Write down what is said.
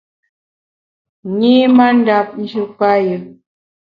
Nyi mandap njù payù.